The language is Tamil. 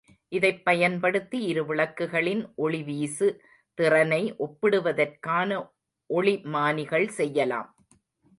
இதைப் பயன்படுத்தி இரு விளக்குகளின் ஒளிவீசு திறனை ஒப்பிடுவதற்கான ஒளிமானிகள் செய்யலாம்.